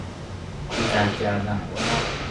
کوته گردن